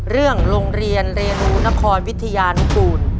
เรื่องโรงเรียนเรนูนครวิทยานกูล